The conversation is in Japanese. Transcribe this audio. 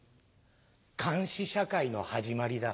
監視社会の始まりだ。